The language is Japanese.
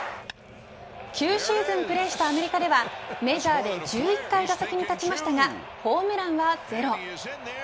９シーズンプレーしたアメリカではメジャーで１１回打席に立ちましたがホームランはゼロ。